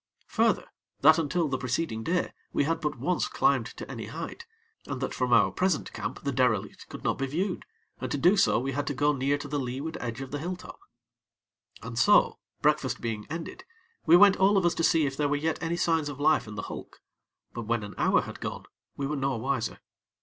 Further, that, until the preceding day, we had but once climbed to any height; and that from our present camp the derelict could not be viewed, and to do so, we had to go near to the leeward edge of the hill top. And so, breakfast being ended, we went all of us to see if there were yet any signs of life in the hulk; but when an hour had gone, we were no wiser.